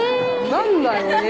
何だよ「え」